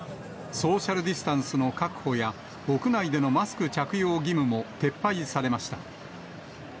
ソーシャルディスタンスの確保や屋内でのマスク着用義務も撤廃されました。